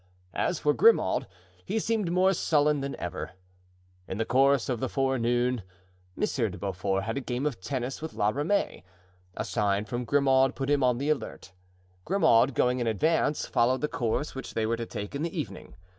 As for Grimaud, he seemed more sullen than ever. In the course of the forenoon Monsieur de Beaufort had a game of tennis with La Ramee; a sign from Grimaud put him on the alert. Grimaud, going in advance, followed the course which they were to take in the evening.